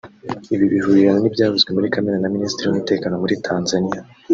Ibi bihurirana n’ibyavuzwe muri Kamena na Minisitiri w’umutekano muri Tanzaniya